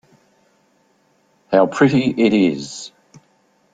How pretty it is!